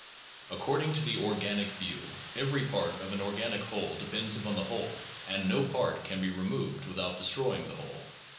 According to the "organic" view every part of an organic whole depends upon the whole and no part can be removed without destroying the whole.